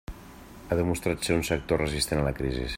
Ha demostrat ser un sector resistent a la crisi.